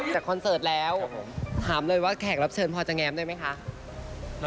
แต่คอนเสิร์ตแล้วถามเลยว่าแขกรับเชิญพอจะแง้มได้ไหมคะ